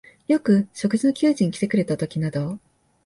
よく食事の給仕にきてくれたときなど、